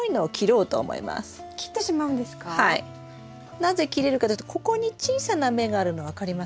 なぜ切れるかというとここに小さな芽があるの分かりますか？